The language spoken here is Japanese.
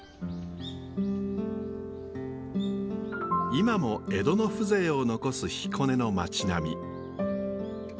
今も江戸の風情を残す彦根の町並み。